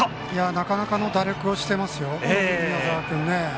なかなかの打力をしてますよ、宮澤君。